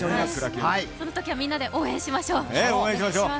そのときはみんなで応援しましょう。